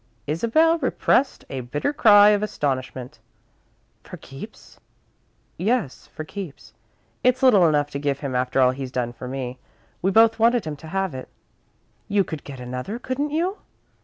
Isabel repressed a bitter cry of astonishment. "For keeps?" "Yes, for keeps. It's little enough to give him after all he's done for me. We both wanted him to have it." "You could get another, couldn't you?"